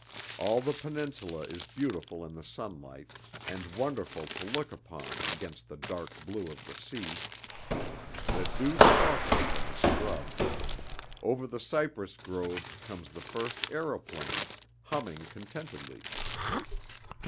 All the Peninsula is beautiful in the sunlight, and wonderful to look upon against the dark blue of the sea; the dew sparkles on the scrub; over the cypress grove comes the first aeroplane, humming contentedly.